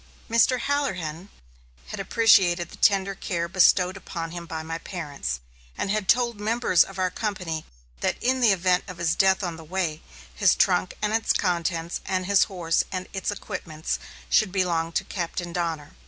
Mr. Halloran had appreciated the tender care bestowed upon him by my parents, and had told members of our company that in the event of his death on the way, his trunk and its contents, and his horse and its equipments should belong to Captain Donner.